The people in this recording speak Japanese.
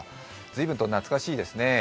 随分となつかしいですね。